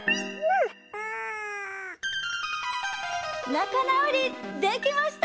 なかなおりできました！